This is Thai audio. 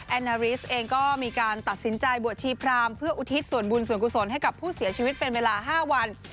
นาริสเองก็มีการตัดสินใจบวชชีพรามเพื่ออุทิศส่วนบุญส่วนกุศลให้กับผู้เสียชีวิตเป็นเวลา๕วัน